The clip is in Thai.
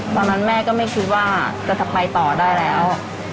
ตอนนั้นแม่ก็ไม่คิดว่าจะไปต่อได้แล้ว